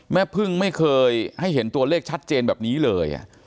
แม่พึ่งไม่เคยให้เห็นตัวเลขชัดเจนแบบนี้เลย